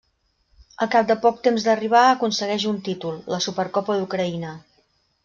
Al cap de poc temps d'arribar aconsegueix un títol, la Supercopa d'Ucraïna.